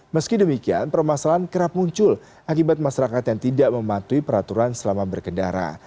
meski demikian permasalahan kerap muncul akibat masyarakat yang tidak mematuhi peraturan selama berkendara